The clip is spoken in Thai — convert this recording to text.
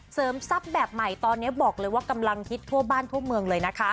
ทรัพย์แบบใหม่ตอนนี้บอกเลยว่ากำลังฮิตทั่วบ้านทั่วเมืองเลยนะคะ